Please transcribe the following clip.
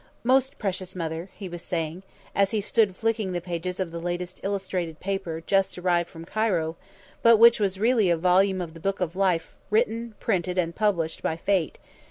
"Most precious Mother," he was saying, as he stood flicking the pages of the latest illustrated paper just arrived from Cairo, but which was really a volume of the Book of Life written, printed and published by Fate.